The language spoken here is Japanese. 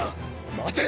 待て！